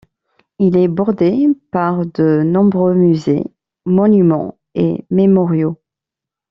Il est bordé par de nombreux musées, monuments et mémoriaux.